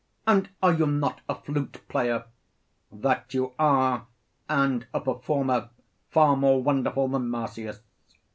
And are you not a flute player? That you are, and a performer far more wonderful than Marsyas.